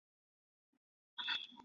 刺盖草为菊科蓟属下的一个种。